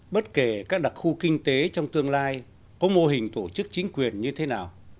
bất kể các đặc khu kinh tế trong tương lai có mô hình tổ chức chính quyền như thế nào